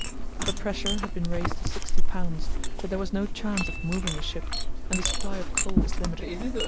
The pressure had been raised to sixty pounds, but there was no chance of moving the ship, and the supply of coal was limited.